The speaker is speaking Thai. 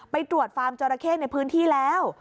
ไปตรวจฟาร์มจราเข้ในพื้นที่แล้ว